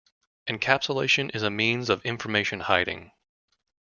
Encapsulation is a means of information hiding.